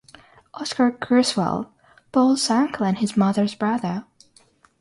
Oscar Creswell: Paul's uncle and his mother's brother.